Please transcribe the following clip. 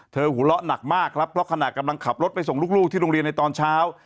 หัวเราะหนักมากครับเพราะขณะกำลังขับรถไปส่งลูกที่โรงเรียนในตอนเช้า